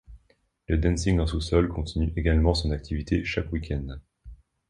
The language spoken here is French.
Le dancing en sous-sol continue également son activité chaque weekend.